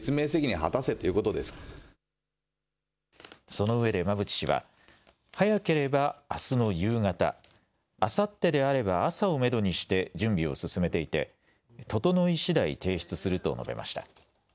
そのうえで馬淵氏は早ければあすの夕方、あさってであれば朝をめどにして準備を進めていて整いしだい提出すると述べました。